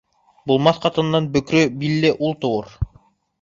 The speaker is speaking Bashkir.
Булмаҫ ҡатындан бөкрө билле ул тыуыр.